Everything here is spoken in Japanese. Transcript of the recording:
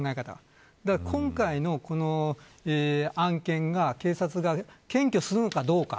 だから、今回のこの案件が警察が起訴するのかどうか。